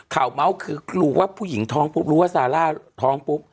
เมาส์คือรู้ว่าผู้หญิงท้องปุ๊บรู้ว่าซาร่าท้องปุ๊บ